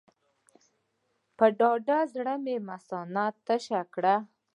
په ډاډه زړه مې مثانه تشه کړه.